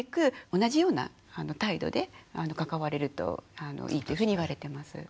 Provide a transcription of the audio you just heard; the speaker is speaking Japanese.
同じような態度で関われるといいっていうふうに言われてます。